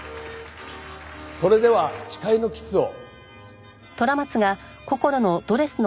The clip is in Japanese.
それでは誓いのキスを。